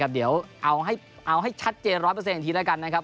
เดี๋ยวเอาให้ชัดเจน๑๐๐อีกทีแล้วกันนะครับ